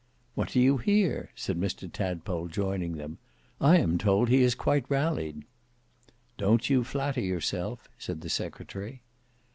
"What do you hear?" said Mr Tadpole, joining them; "I am told he has quite rallied." "Don't you flatter yourself," said the secretary.